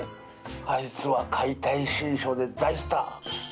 あいつは『解体新書』で大スター。